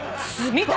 見た。